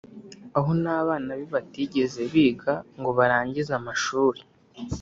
aho n’abana be batigeze biga ngo barangize amashuri